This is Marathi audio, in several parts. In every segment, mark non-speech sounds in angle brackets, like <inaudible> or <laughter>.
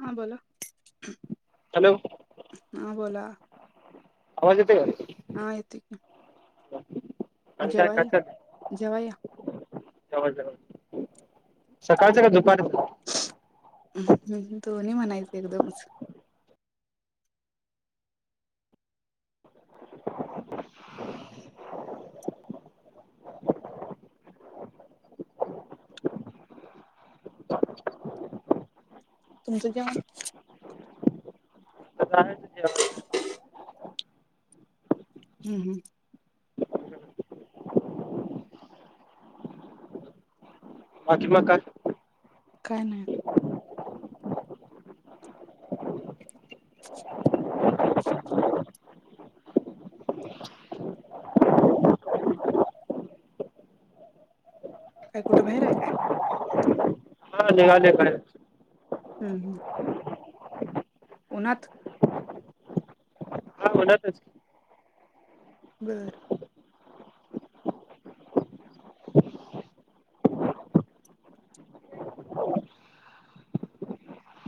हा, बोला. हॅलो हा बोला. <inaudible> आवाज येतोय का हां येतोय की. ह आणि काय? जेवा काय या चाल जेवा या जेवा जेवा सकाळचं का दुपारचं? हम्म हम्म दोन्ही म्हणायचे एकदमच तुमचं जेवण आता जायचं जेवायचं. हम्म हम्म बाकी मग काय काय नाही. काय कुठं बाहेर आहे काय हां निघाले कडे हम्म हम्म उनाथ हां म्हणतच घर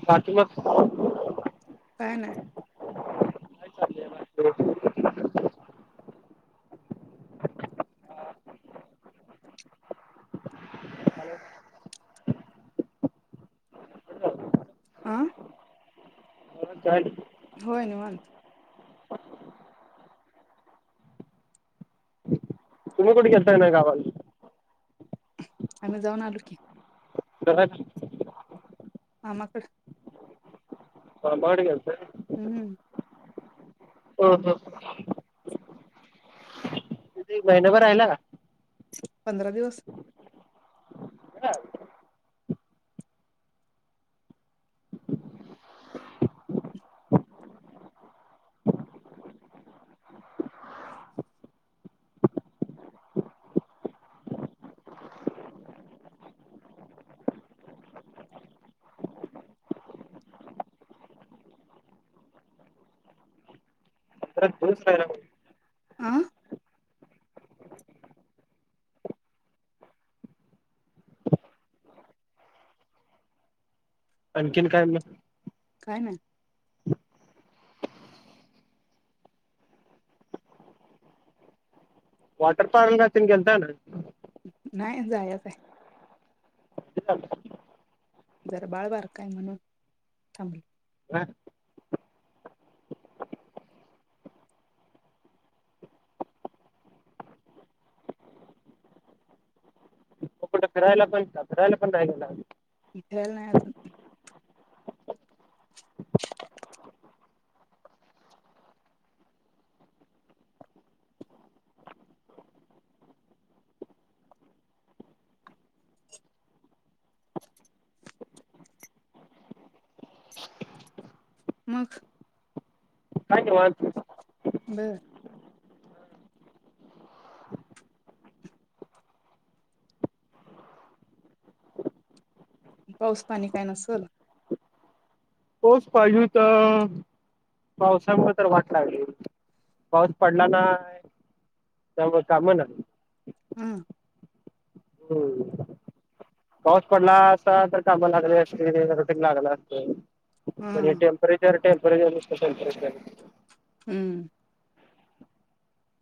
पाठी मागच <inaudible> काय नाय चाललंय बाकी? हां <unintelligible> होय निवांत तुम्ही कुट गेलता का, नाही गावाला तेन? आम्ही जाऊन आलो की. तर मामा कड मामा कड गेलत हम्म ह ह तिथ एक महिनाभर राहिला का? <unintelligible> पंधरा दिवस <unintelligible> आं आणखीन काय मग काय नाही. वॉटर पार्क ला तेन गेलता का नाही. नाही जायचं आहे. जरा बाळ बारक आहे म्हणून, कुठं फिरायला पण का फिरायला पण जायचं झालं नाही. गेल नाही अजून <inaudible> मग काय निवांत बे पाऊस पाणी काय नसल पाऊस पाहिजे होत पावसामुळे तर वाट लागली. पाऊस पडला नाही, त्यामुळ काम नाही. हम्म हम्म पाऊस पडला असता तर काम लागली असती रुटिंग लागल असत. हा पण हे टेंपरेचर पण टेंप बर <unintelligible> हम्म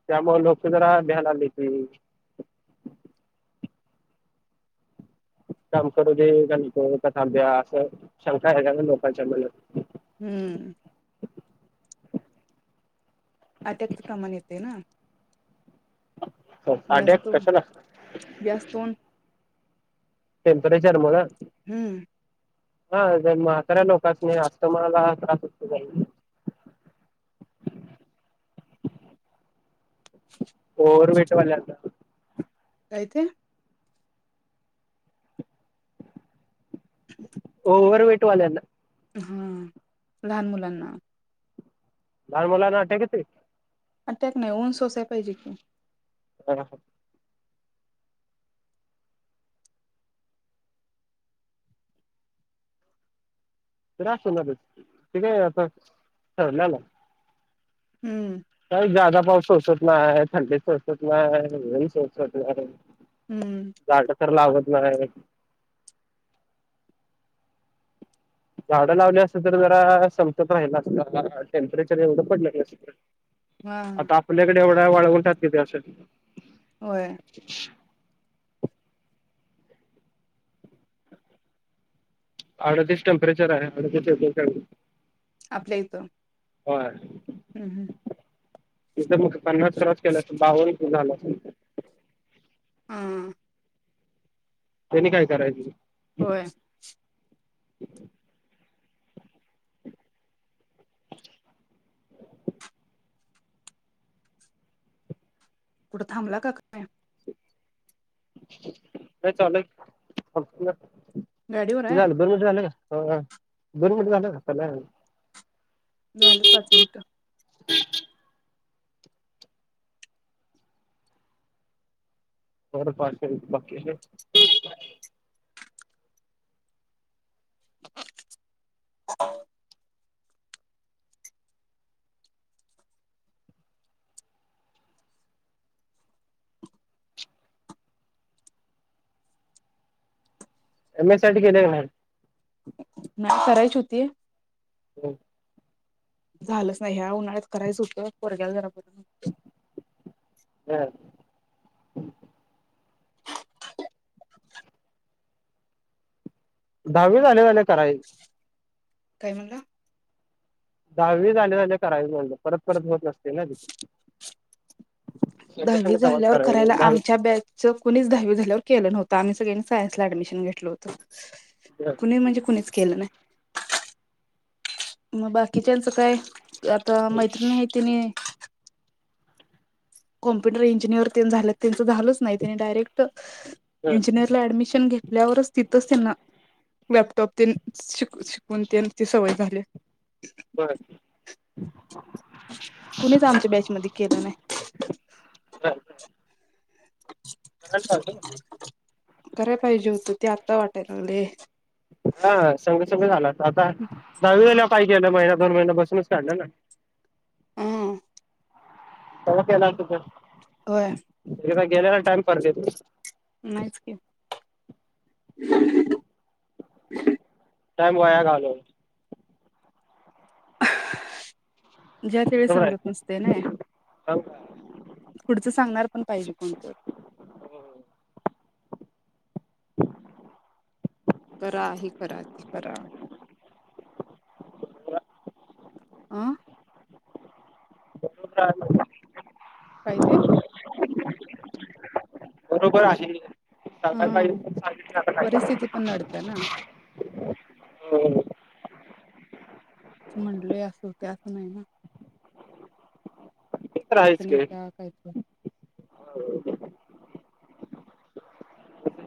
त्यामुळ लोक जरा भ्यायलाली ती काम करू दे त्यांच तो कसा द्या असं शंका आहे का ना लोकांच्या मनात हम्म अट्याकचं प्रमाण येते ना. हो अट्याक जास्त कशाला जास्त ऊन टेंपरेचर मुळे? हम्म हा जन मग कऱ्या लोकांसनी असतं मला <unintelligible> बोरमिट वाल्याचा काय ते? ओवर वेट वाल्यांना. हा लहान मुलांना. लहान मुलांना अट्याक येतोय? अटॅक नाही ऊन सोसाय पाहिजे की. ह ह कोण असणारच ते काय आता ठरलेला आहे. हम्म काही जादा पाऊस त नाही आहे थंडी सोसत नाही ऊन सोसत नाही. हम्म झाड तर लागत नाही. झाडं लावली असत तर जरा संतत राहिला असतं टेम्परेचर एवढं पडले असत. हा आता आपल्याकडे एवढा वाळवंटात किती असल? होय. अडतीस टेम्परेचर आहे. अडती आपल्या इथं. होय. हम्म हम्म इथं मग पन्नास क्रॉस केला बावन झालं असतं. हा. त्यांनी काय करायची? होय <inaudible> कुठं थांबला का काय. नाही चालु आहे. किती गाडीवर आहे दोन मिनिट झालं का ह दोन मिनिट झालं. त्याला झालं पाच मिनिटं <inaudible> <inaudible> एम एस सी आयटी केलीया का नाही. नाही करायची होतीय. हम् झालंच नाही, ह्या उन्हाळ्यात करायचं होत पोरग्या जरा बरं नव्हतं हम् <inaudible> दहावी झाल्या झाल्या करायचं काय म्हणला, दहावी झाल्य झाल्या करायचं म्हणटलं, परत परत होत नसत. हे ना दि दहावी झाल्यावर करायला दहावी आमच्या बॅच कुणीच दहावी झाल्यावर केलं नव्हतं. आम्ही सगळ्यांनी, सायन्सला ऍडमिशन घेतलं होतं. कुणी म्हणजे कुणीच केलं नाही. मग बाकीच्याचं काय आता मैत्रिणी आहे तिने कॅम्पुटर इंजिनिअर तेन झाल्यात तेच झालंच नाही. तेनी डायरेक्ट इजिंनेअरला ऍडमिशन घेतल्यावरच ती तिथंच त्यांना लॅपटॉप तेन शिकून तेन ती सवय झालीया. बर कुणीच आमच्या बॅचमध्ये केलं नाही. करायला पाहिजे. कराय पाहिजे होतं ते आत्ता वाटायला लागले. हा संग संग झाल असतं आता दहावी झाल्याव काय? गेलं महिना दोन महिना बसूनच काढलं ना. हम् तवा केलं असत तर, होय एकदा गेलेला टाइम पर येत नसतो. नाहीच की <inaudible> टाइम वाया घालवला. ज्या त्यावेळी बरोबर समजत आहे नसतयं नाही. पुढचं सांगणार पण पाहिजे कोणतर, <unintelligible> करा हे करा, ते करा, आं <inaudible> काय ते? बरोबर आहे. हं परिस्थिती पण नडत्या ना <inaudible> हो म्हंटलय असं ते असं नाही ना ते अडचणी त्या काय तु हो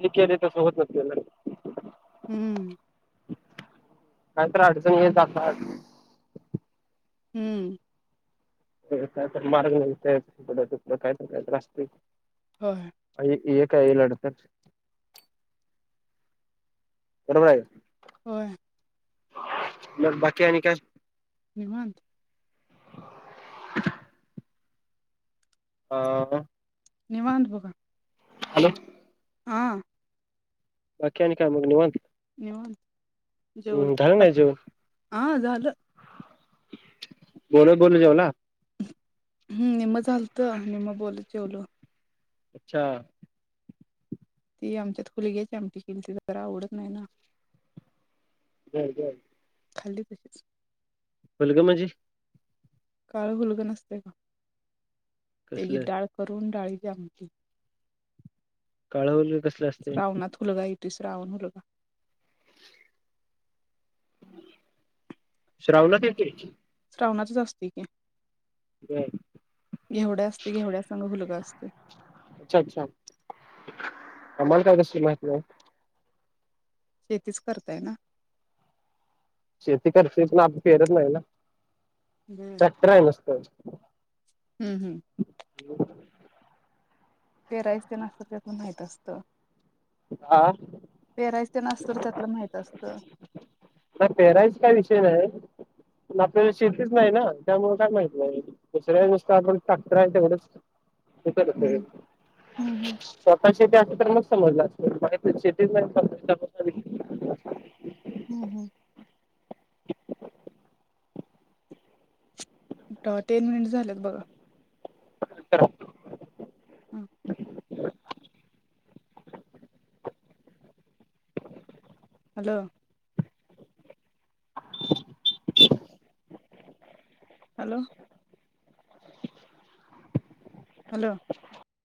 जे केलय तसं होत असत गड्या हं काय तर अडचण येत असनार हम्म <unintelligible> होय आणि एक काय ही लढतर. <unintelligible> होय. मग बाकी आनी काय. निवांत. <unintelligible> हा हा. निवांत बघा. हॅलो. हां. बाकी आणि काय मग निवांत येवून हम्म झालं जेवलात नाही जेवण हा झालं. बोलत बोलोत जेवना. हम्म निम झालत निम बोलत जेवलो. अच्छा. ती आमच्यात खुलीग्याच आमट केलीती जरा आवडत नाही ना. हं जर खाली फुलग म्हणजे? काळ हूलग नसतय का त्याची कसलं डाळ करून डाळी <unintelligible> काळ हुलग कसले असतय? ते श्रावण हूलग श्रावनात येतय. श्रावणातच असतय की बर घेवढ्या असती घेवड्यासंग हूलग असतय. <unintelligible> अच्छा अच्छा कमाल काय कसली माहीती आहे. शेतीच करताय ना. शेती करते पण आम्ही पेरत नाही ना बर ट्रॅक्टर आहे नुसत. हम्म हम्म <unintelligible> तेराईस ते ना असत त्यातून माहित असतं. आ. पेरायच तेन असतं त्यातलं माहित असतं नाही पेरायच काय विषय नाही. प आपल्या शेतीच नाही ना त्यामुळे काय माहित नाही दुसऱ्या नुसत आपण टाक्टर आहे तेवढच त हम्म हम्म हम्म स्वतः च. शती अस तर मग समज शेतीच नाही. <unintelligible> हम्म हम्म. टेन मिनिट झालेत बघा. कर. हम्. ह <inaudible> द. हॅलो. हॅलो.